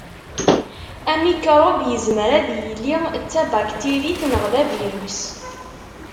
Amikṛub yezmer ad yili d tabaktirit neɣ d avirus.